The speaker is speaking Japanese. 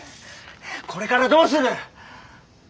これからどうする？